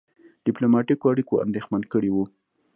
ډيپلوماټیکو اړیکو اندېښمن کړی وو.